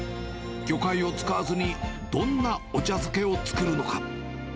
魚介を使わずに、どんなお茶漬けを作るのか。